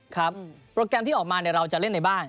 ครับโปรแกรมที่ออกมาเนี่ยเราจะเล่นในบ้าน